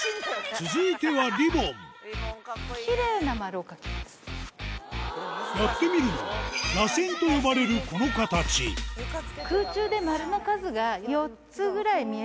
続いてはやってみるのは「らせん」と呼ばれるこの形空中で丸の数が４つぐらい見えるように。